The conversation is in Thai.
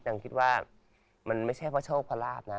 ยังคิดว่ามันไม่ใช่เพราะโชคพระราบนะ